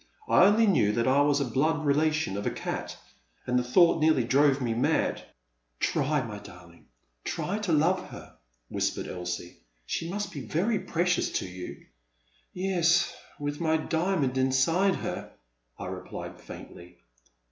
I only knew that I was a blood relation of a cat, and the thought nearly drove me mad. Try, my darling, try to love her, whispered Elsie, she must be very precious to you —Yes, with my diamond inside her, I replied faintly.